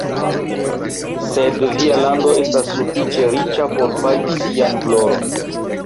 Sed via lando estas sufiĉe riĉa por pagi sian gloron.